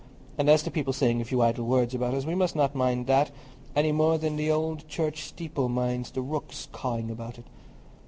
And as to people saying a few idle words about us, we must not mind that, any more than the old church steeple minds the rooks cawing about it.